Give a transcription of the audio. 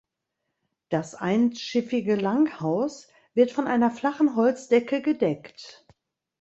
Das einschiffige Langhaus wird von einer flachen Holzdecke gedeckt.